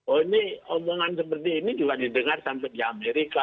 oh ini omongan seperti ini juga didengar sampai di amerika